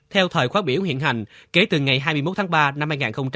theo thời khóa biểu hiện hành kể từ ngày hai mươi một tháng ba năm hai nghìn hai mươi